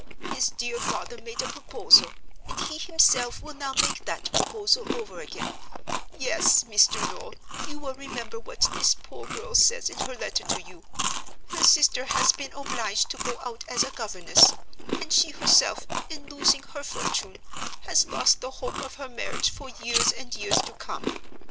His dear father made a proposal, and he himself will now make that proposal over again. Yes, Mr. Noel, you will remember what this poor girl says in her letter to you. Her sister has been obliged to go out as a governess; and she herself, in losing her fortune, has lost the hope of her marriage for years and years to come.